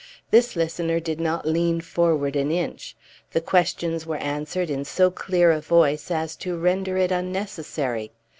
This listener did not lean forward an inch; the questions were answered in so clear a voice as to render it unnecessary.